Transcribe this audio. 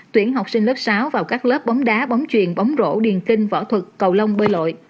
tuyển học sinh lớp sáu vào các lớp bóng đá bóng truyền bóng rổ điền kinh võ thuật cầu lông bơi lội